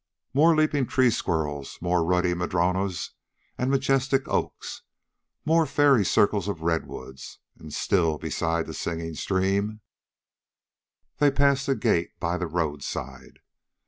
More leaping tree squirrels, more ruddy madronos and majestic oaks, more fairy circles of redwoods, and, still beside the singing stream, they passed a gate by the roadside.